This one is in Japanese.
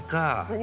何？」